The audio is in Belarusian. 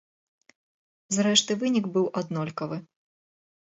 Зрэшты, вынік быў аднолькавы.